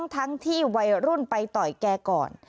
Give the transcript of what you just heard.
ทั้งที่วัยรุ่นไปต่อยแกก่อน